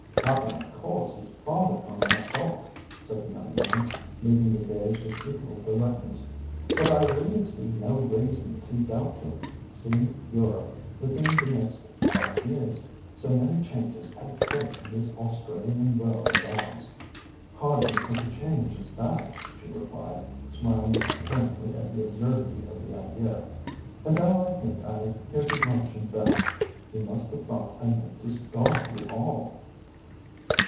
"Nothing, of course, is farther from my thoughts," said the young man, meeting the gaze with equal directness; "but I really see no reason to doubt your seeing Europe within the next five years, so many changes take place in this Australian world of ours." "Hardly such a change as that," she replied, smiling apparently at the absurdity of the idea; "and now I think I hear the luncheon bell. You must have thought I meant to starve you all."